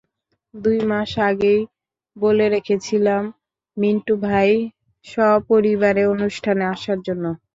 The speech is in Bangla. দুই মাস আগেই বলে রেখেছিলেন মিন্টু ভাই সপরিবারে অনুষ্ঠানে আসার জন্য।